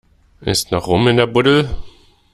Ist noch Rum in der Buddel?